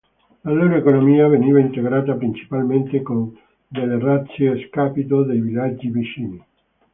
La loro economia veniva integrata principalmente con delle razzie a scapito dei villaggi vicini.